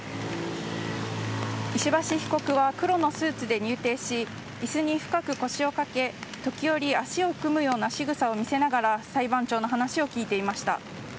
石橋被告は黒のスーツで入廷し椅子に深く腰を掛け時折、足を組む動きを見せ裁判長の話を聞いていました。